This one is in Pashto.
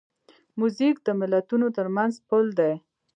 موزیک د ملتونو ترمنځ پل دی.